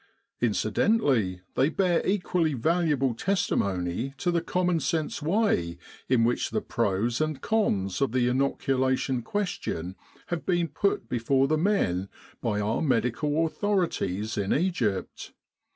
Incidentally, they bear equally valuable testimony to the common sense way in which the pros and cons of the inoc ulation question have been put before the men by our medical authorities in Egypt.